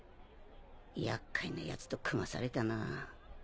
やっかいなやつと組まされたな。